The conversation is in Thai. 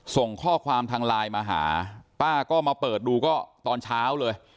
ส่งข้อความทางไลน์มาหาป้าก็มาเปิดดูก็ตอนเช้าเลย